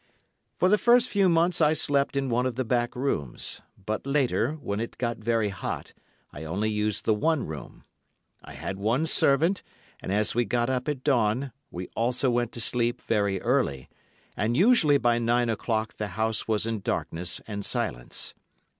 For the first few months I slept in one of the back rooms, but later, when it got very hot, I only used the one room. I had one servant, and as we got up at dawn, we also went to sleep very early, and usually by nine o'clock the house was in darkness and silence.